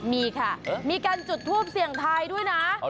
มีค่ะมีการจุดทูปเสี่ยงทายด้วยนะ